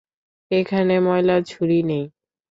এখানে ময়লার ঝুড়ি নেই?